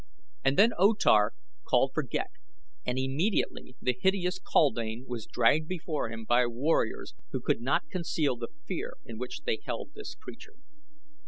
And then O Tar called for Ghek, and immediately the hideous kaldane was dragged before him by warriors who could not conceal the fear in which they held this creature.